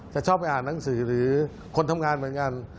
ชอบไปอ่านหนังสือหรือคนทำงานเหมือนกัน